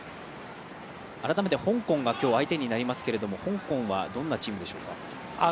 改めて香港が今日相手になりますけれども香港は、どんなチームでしょうか。